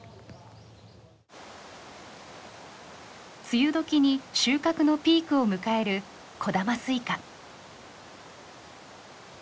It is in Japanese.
梅雨時に収穫のピークを迎える小玉スイカ。